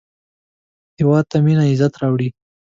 هېواد ته مینه عزت راوړي